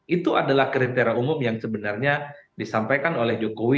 itu adalah kriteria umum yang sebenarnya disampaikan oleh jokowi